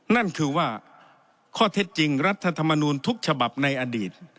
นั่นคือว่าข้อเท็จจริงรัฐธรรมนูลทุกฉบับในอดีต